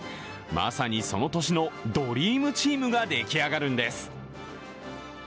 まさにその年のドリームチームが出来上がるんです。